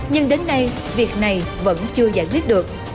nhưng đến nay việc này vẫn chưa xảy ra